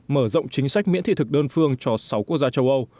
mở rộng chính sách miễn thị thực đơn phương cho sáu quốc gia châu âu